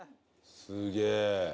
すげぇ。